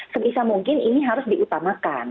sebisa mungkin ini harus diutamakan